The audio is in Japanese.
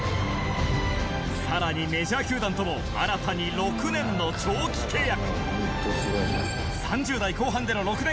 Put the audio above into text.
さらにメジャー球団とも新たに６年の長期契約。